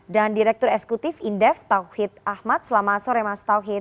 dan direktur esekutif indef tauhid ahmad selamat sore mas tauhid